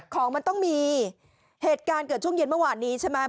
ของมันต้องมีเหตุการณ์เกิดช่วงเย็นเมื่อวานนี้ใช่ไหม